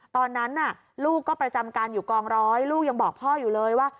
ตอนนั้นลูกก็ประจำการอยู่กองร้อยลูกยังบอกพ่ออยู่เลยว่า